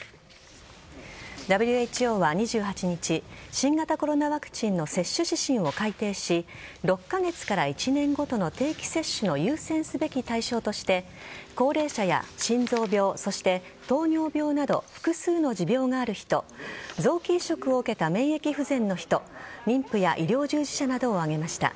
ＷＨＯは２８日新型コロナワクチンの接種指針を改定し６カ月から１年ごとの定期接種の優先すべき対象として高齢者や心臓病そして、糖尿病など複数の持病がある人臓器移植を受けた免疫不全の人妊婦や医療従事者などを挙げました。